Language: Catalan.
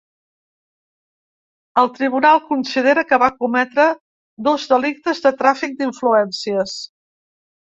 El tribunal considera que va cometre dos delictes de tràfic d’influències.